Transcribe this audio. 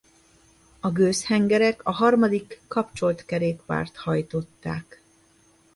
A gőzhengerek a harmadik kapcsolt kerékpárt hajtották.